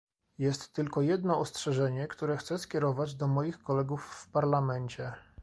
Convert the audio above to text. Jest tylko jedno ostrzeżenie, które chcę skierować do moich kolegów w Parlamencie